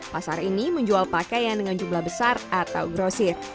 pasar ini menjual pakaian dengan jumlah besar atau grosir